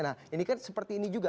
nah ini kan seperti ini juga